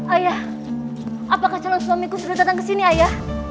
ayah apakah calon suamiku sudah datang ke sini ayah